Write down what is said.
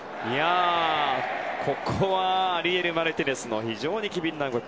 ここはアリエル・マルティネスの非常に機敏な動き。